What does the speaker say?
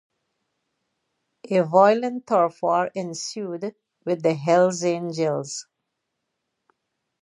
A violent turf war ensued with the Hells Angels.